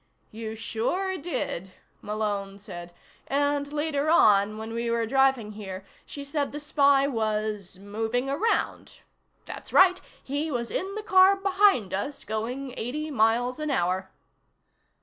"You sure did!" Malone said. "And later on, when we were driving here, she said the spy was 'moving around.' That's right; he was in the car behind us, going eighty miles an hour."